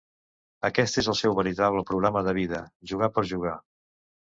Aquest és el seu veritable programa de vida, jugar per jugar.